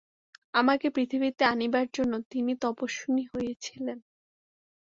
আমাকে পৃথিবীতে আনিবার জন্য তিনি তপস্বিনী হইয়াছিলেন।